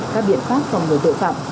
các biện pháp phòng người tội phạm